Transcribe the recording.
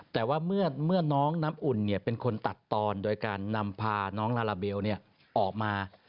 แต่ว่าเมื่อน้องน้ำอุ่นเป็นคนตัดตอนโดยการนำพาน้องลาลาเบลออกมา